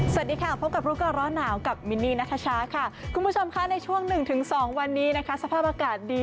สวัสดีค่ะพบกับรู้ก่อนร้อนหนาวกับมินนี่นัทชาค่ะคุณผู้ชมค่ะในช่วง๑๒วันนี้นะคะสภาพอากาศดี